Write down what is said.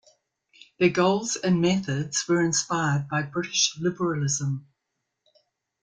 Their goals and methods were inspired by British Liberalism.